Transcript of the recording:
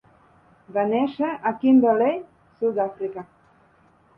Va néixer a Kimberley, Sud-àfrica.